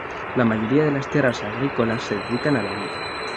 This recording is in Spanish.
La mayoría de las tierras agrícolas se dedican a la vid.